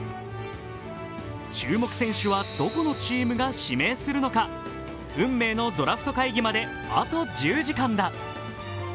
注目選手はどこのチームが指名するのか運命のドラフト会議まであと１０時間だ。